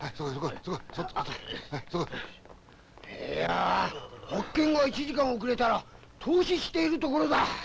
いや発見が１時間遅れたら凍死しているところだ。